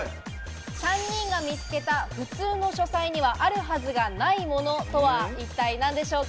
３人が見つけた普通の書斎にはあるはずがないものとは一体何でしょうか？